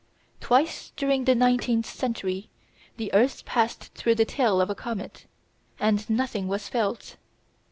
Twice during the nineteenth century the earth passed through the tail of a comet, and nothing was felt.